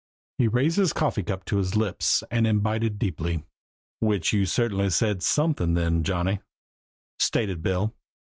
He raised his coffee cup to his lips and imbibed deeply. "Which you certainly said something then, Johnny," stated Bill.